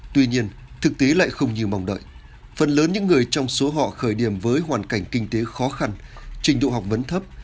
tuy nhiên thực tế lại không như mong đợi phần lớn những người trong số họ khởi điểm với hoàn cảnh kinh tế khó khăn trình độ học vấn thấp